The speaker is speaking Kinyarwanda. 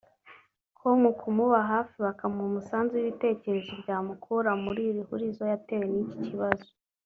com kumuba hafi bakamuha umusanzu w’ibitekerezo byamukura muri iri hurizo yatewe n’iki kibazo